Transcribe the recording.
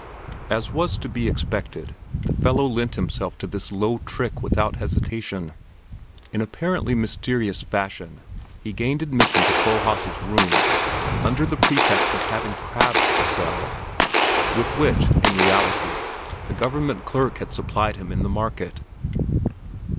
As was to be expected, the fellow lent himself to this low trick without hesitation. In apparently mysterious fashion he gained admission to Kohlhaas' room under the pretext of having crabs to sell, with which, in reality, the government clerk had supplied him in the market.